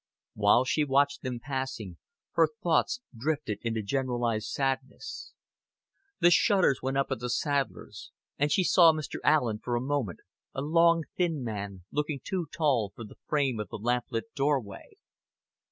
While she watched them passing, her thoughts drifted into generalized sadness. The shutters went up at the saddler's, and she saw Mr. Allen for a moment a long, thin man, looking too tall for the frame of the lamplit doorway.